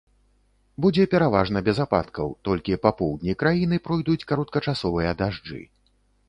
Будзе пераважна без ападкаў, толькі па поўдні краіны пройдуць кароткачасовыя дажджы.